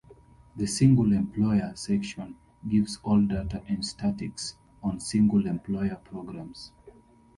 The single-employer section gives all data and statics on single-employer programs.